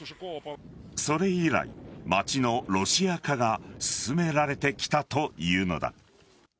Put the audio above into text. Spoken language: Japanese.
それ以来、街のロシア化が進められてきたというのだ。